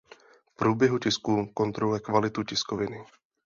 V průběhu tisku kontroluje kvalitu tiskoviny.